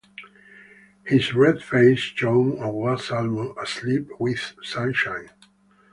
His red face shone and was almost asleep with sunshine.